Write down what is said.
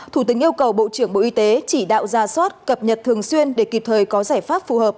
thủ tướng yêu cầu bộ trưởng bộ y tế chỉ đạo ra soát cập nhật thường xuyên để kịp thời có giải pháp phù hợp